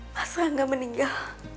pas rangga meninggal